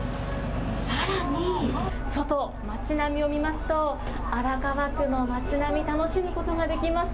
さらに外、街並みを見ますと、荒川区の町並み、楽しむことができます。